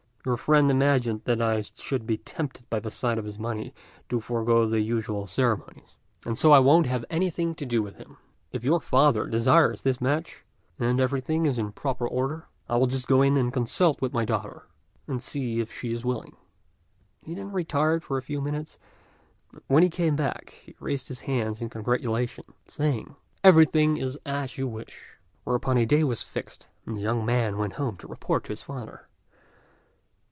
Your friend imagined that I should be tempted by the sight of his money to forego the usual ceremonies, and so I won't have anything to do with him. But if your father desires this match, and everything is in proper order, I will just go in and consult with my daughter, and see if she is willing." He then retired for a few minutes, and when he came back he raised his hands in congratulation, saying, "Everything is as you wish;" whereupon a day was fixed, and the young man went home to report to his father.